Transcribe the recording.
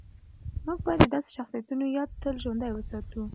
موږ باید د داسې شخصیتونو یاد تل ژوندی وساتو.